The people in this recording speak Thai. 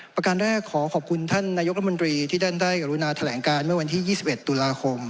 ประการแรกขอขอบคุณท่านนายกรมนตรีที่ท่านได้กรุณาแถลงการเมื่อวันที่๒๑ตุลาคม